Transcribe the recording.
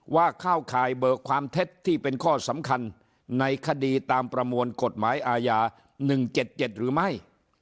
เข้าข่ายเบิกความเท็จที่เป็นข้อสำคัญในคดีตามประมวลกฎหมายอาญา๑๗๗หรือไม่